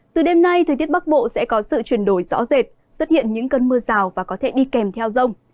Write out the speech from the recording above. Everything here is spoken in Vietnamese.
từ đêm nay thời tiết bắc bộ sẽ có sự chuyển đổi rõ rệt xuất hiện những cơn mưa rào và có thể đi kèm theo rông